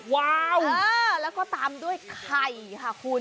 วาวแล้วก็ตามด้วยไข่ค่ะคุณ